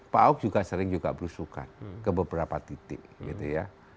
pak ahok juga sering juga berusukan ke beberapa titik gitu ya